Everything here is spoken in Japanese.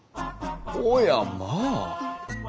おやまあ。